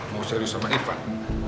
mau serius sama irfan